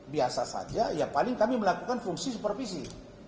biasa saja ya paling kami melakukan fungsi supervisi